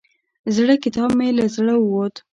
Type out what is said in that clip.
زړه کتاب مې له زړه ووت.